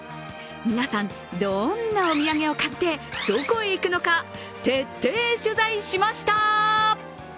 皆さん、どんなお土産を買ってどこへ行くのか徹底取材しました。